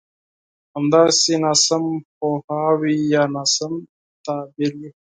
همداسې ناسم پوهاوی يا ناسم تعبير وي.